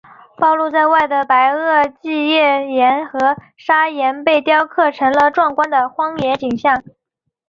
暴露在外的白垩纪页岩和砂岩被雕刻成了壮观的荒野景象。